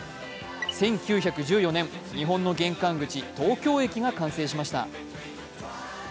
１９１４年、日本の玄関口東京駅が完成しました。